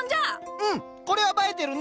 うんこれは映えてるね。